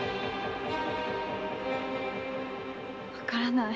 わからない。